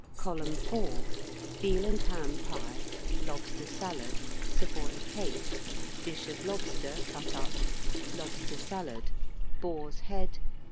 [Column 4] Veal and Ham Pie. Lobster Salad. Savoy Cake. Dish of Lobster, cut up. Lobster Salad. Boar's Head.